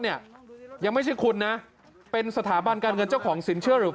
เนี่ยยังไม่ใช่คุณนะเป็นสถาบันการเงินเจ้าของสินเชื่อหรือ